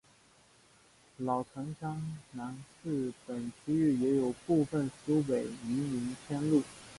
老城厢南市等区域也有部分苏北移民迁入。